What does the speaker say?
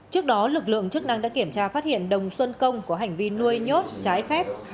trước đó lực lượng chức năng đã kiểm tra phát hiện đồng xuân công có hành vi nuôi nhốt trái phép